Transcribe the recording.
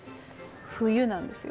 冬なんですよ。